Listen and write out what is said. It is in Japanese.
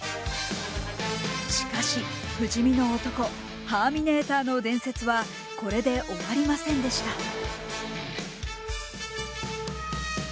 しかし、不死身の男ハーミネーターの伝説はこれで終わりませんでした。